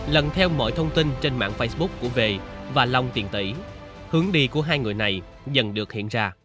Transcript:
lần theo mọi thông tin trên mạng facebook của v và long tiền tỷ hướng đi của hai người này dần được hiện ra